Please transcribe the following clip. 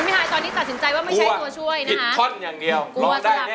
คุณมีฮายตอนนี้ตัดสินใจว่าไม่ใช้ตัวช่วยนะฮะ